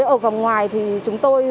ở vòng ngoài thì chúng tôi